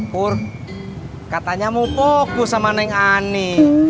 kur katanya mau fokus sama neng ani